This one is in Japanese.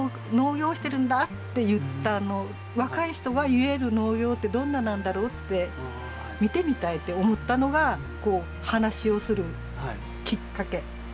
若い人が言える農業ってどんななんだろうって見てみたいって思ったのがこう話をするきっかけ。